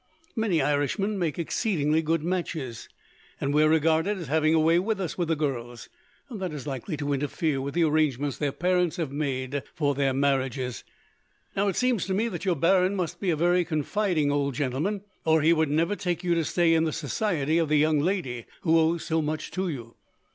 Many Irishmen make exceedingly good matches, and we are regarded as having a way with us, with the girls, that is likely to interfere with the arrangements their parents have made for their marriages. Now, it seems to me that your baron must be a very confiding old gentleman, or he would never take you to stay in the society of the young lady who owes so much to you.